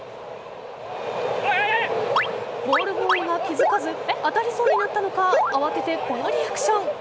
ボールボーイが気づかず当たりそうになったのか慌ててこのリアクション。